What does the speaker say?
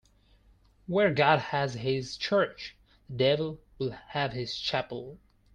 Where God has his church, the devil will have his chapel.